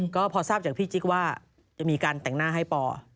ก็พอทราบจากพี่จิ๊กว่าจะมีการแต่งหน้าให้ปอ